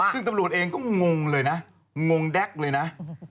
ซึ่งตำรวจเองก็งงเลยนะงงแด๊กเลยนะ